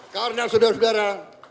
karena sudah segera